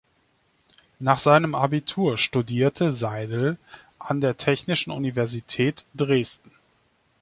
Nach seinem Abitur studierte Seidel an der Technischen Universität Dresden.